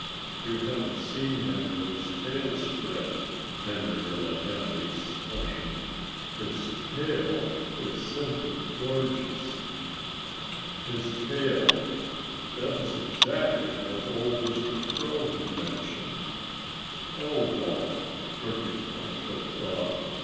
You haven't seen him with his tail spread!" Henrietta Hen exclaimed. "His tail is simply gorgeous." His tail! That was exactly what old Mr. Crow had mentioned. "Oh, well!" Turkey Proudfoot thought.